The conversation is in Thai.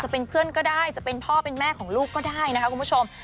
จะเป็นเพื่อนก็ได้จะเป็นพ่อเป็นแม่ของลูกก็ได้นะคะคุณผู้ชม